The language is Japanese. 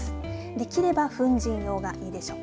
できれば粉じん用がいいでしょう。